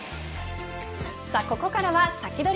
ここからはサキドリ！